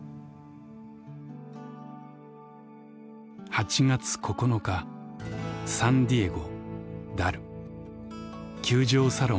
「８月９日サンディエゴダル球場サロン待ち合わせ！